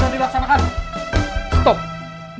jangan melakukan hal yang seperti ini